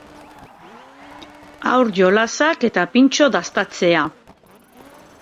Haur-jolasak eta pintxo dastatzea.